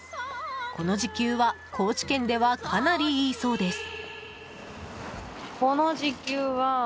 この時給は高知県ではかなりいいそうです。